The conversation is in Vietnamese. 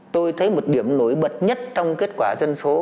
tôi thấy một điểm nổi bật nhất trong kết quả dân số